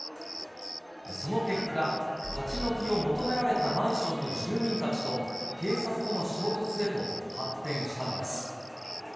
その結果、立ち退きを求められたマンションの住民たちと警察との衝突へと発展したのです。